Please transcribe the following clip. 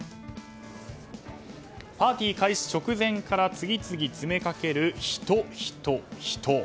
パーティー開始直前から次々詰めかける人、人、人。